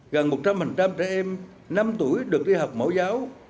gần một trăm linh trẻ em năm tuổi được đi học mẫu giáo